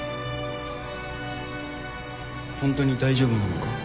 本当に大丈夫なのか？